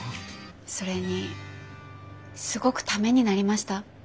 それにすごくためになりました。